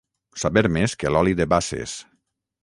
Saber més que l'oli de basses.